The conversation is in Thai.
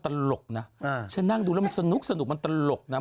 ตลกน่ะอืมฉันนั่งดูแล้วมันสนุกสนุกมันตลกน่ะมัน